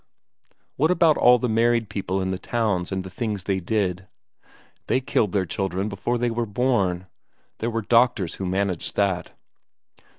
What about all the married people in the towns and the things they did? They killed their children before they were born there were doctors who managed that.